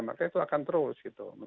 maka itu akan terus gitu